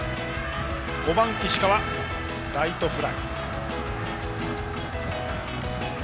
５番、石川はライトフライ。